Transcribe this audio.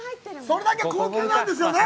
それだけ高級なんですよね？